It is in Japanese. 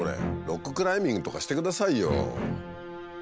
ロッククライミングとかしてくださいよ。